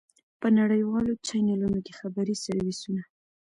په نړیوالو چېنلونو کې خبري سرویسونه.